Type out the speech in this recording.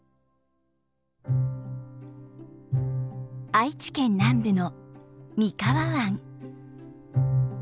愛知県南部の三河湾。